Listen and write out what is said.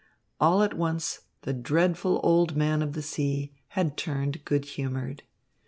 All at once the dreadful old man of the sea had turned good humoured.